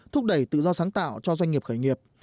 thúc đẩy tự do sáng tạo cho doanh nghiệp khởi nghiệp